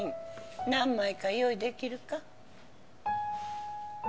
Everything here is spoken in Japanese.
何枚か用意できるか？